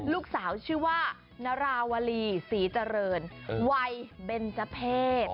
ลูกสาวชื่อว่านาราวลีศรีเจริญวัยเบนเจอร์เพศ